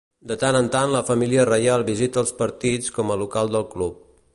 De tant en tant, la família reial visita els partits com a local del club.